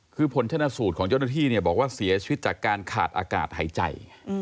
คือผลชนะสูตรของเจ้าหน้าที่เนี่ยบอกว่าเสียชีวิตจากการขาดอากาศหายใจ